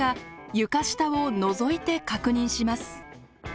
床下をのぞいて確認します。